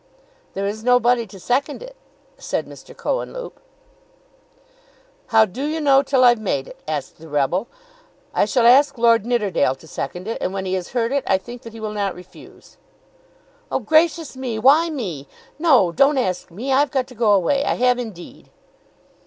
"There is nobody to second it," said Mr. Cohenlupe. "How do you know till I've made it?" asked the rebel. "I shall ask Lord Nidderdale to second it, and when he has heard it I think that he will not refuse." "Oh, gracious me! why me? No; don't ask me. I've got to go away. I have indeed."